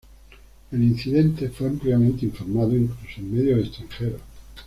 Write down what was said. El incidente fue ampliamente informado incluso en medios extranjeros.